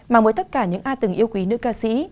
mà mỗi tất cả những ai từng yêu quý nữ ca sĩ